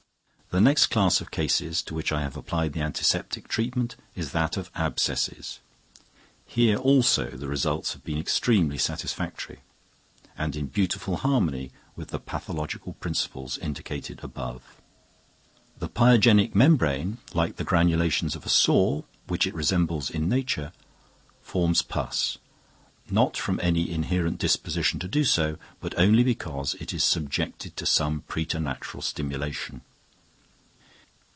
The next class of cases to which I have applied the antiseptic treatment is that of abscesses. Here also the results have been extremely satisfactory, and in beautiful harmony with the pathological principles indicated above. The pyogenic membrane, like the granulations of a sore, which it resembles in nature, forms pus, not from any inherent disposition to do so, but only because it is subjected to some preternatural stimulation.